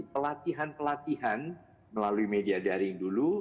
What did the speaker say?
pelatihan pelatihan melalui media daring dulu